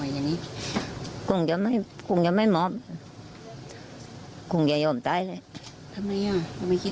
อย่างนี้คงจะไม่คงจะไม่มอบคงจะยอมตายแหละทำไมอ่ะไม่คิด